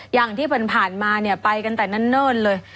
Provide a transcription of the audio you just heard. อย่างที่ผ่านมาเนี่ยไปกันแต่เนิ่นเลย